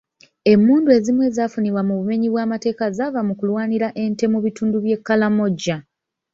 Emmundu ezimu ezaafunibwa mu bumebyi bw'amateeka zaava mu kulwanira ente mu bitundu by'e Karamoja.